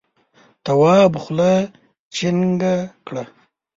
تواب خوله جینگه کړه.